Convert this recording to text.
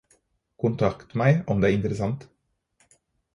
Kontakt meg om det er interssant.